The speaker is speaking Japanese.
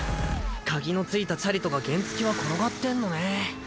鍵の付いたチャリとか原付は転がってんのねぇ。